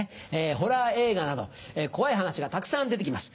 ホラー映画など怖い話がたくさん出て来ます。